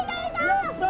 やった！